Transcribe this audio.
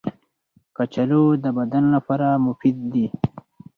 کچالو د بدن لپاره مفید دي